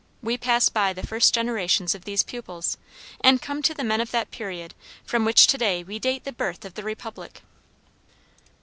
We pass by the first generations of these pupils, and come to the men of that period from which to day we date the birth of the Republic.